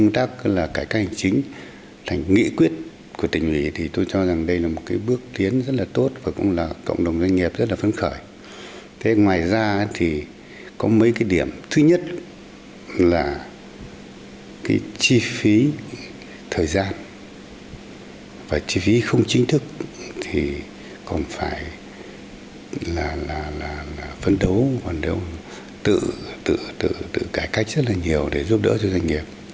thứ nhất là chi phí thời gian và chi phí không chính thức thì còn phải là phấn đấu tự cải cách rất là nhiều để giúp đỡ cho doanh nghiệp